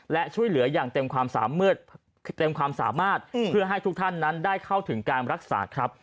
และช่วยเหลืออย่างเต็มความสามารถเต็มความสามารถเพื่อให้ทุกท่านนั้นได้เข้าถึงการรักษาครับ